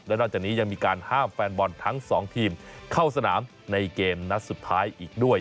นอกจากนี้ยังมีการห้ามแฟนบอลทั้งสองทีมเข้าสนามในเกมนัดสุดท้ายอีกด้วย